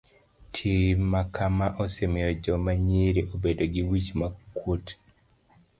Tim makama osemiyo joma nyiri obedo gi wich kuot.